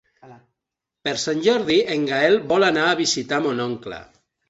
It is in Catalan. Per Sant Jordi en Gaël vol anar a visitar mon oncle.